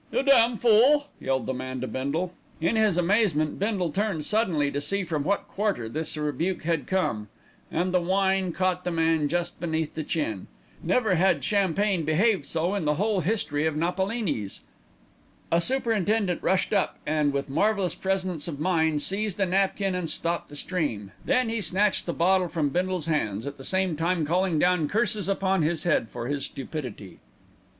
"You damn fool!" yelled the man to Bindle. In his amazement Bindle turned suddenly to see from what quarter this rebuke had come, and the wine caught the man just beneath the chin. Never had champagne behaved so in the whole history of Napolini's. A superintendent rushed up and, with marvellous presence of mind, seized a napkin and stopped the stream. Then he snatched the bottle from Bindle's hands, at the same time calling down curses upon his head for his stupidity.